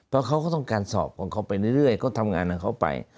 เพราะเขาก็ต้องการสอบของเขาไปเรื่อยเขาทำงานของเขาไป